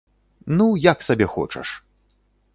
Ну, як сабе хочаш!